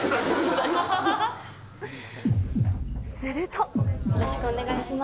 すると。